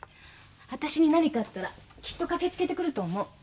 あたしに何かあったらきっと駆けつけてくると思う。